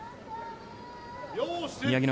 宮城野